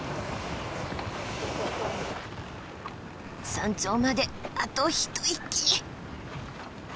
山頂まであと一息！